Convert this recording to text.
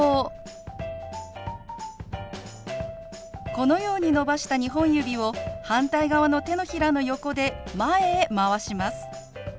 このように伸ばした２本指を反対側の手のひらの横で前へ回します。